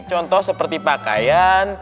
contoh seperti pakaian